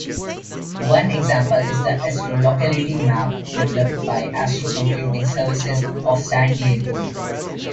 One example is the "Astrolocality Map" developed by Astro Computing Services of San Diego.